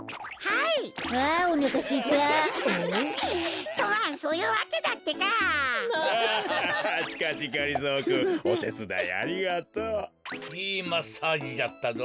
いいマッサージじゃったぞ。